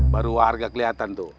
baru warga kelihatan tuh